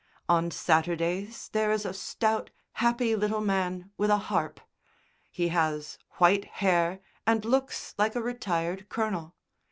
On Saturdays there is a stout, happy little man with a harp. He has white hair and looks like a retired colonel.